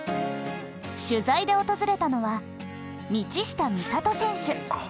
取材で訪れたのは道下美里選手。